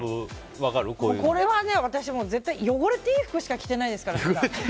これは私も絶対汚れていい服しか着てないですから、普段。